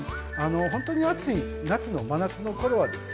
ほんとに暑い夏の真夏のころはですね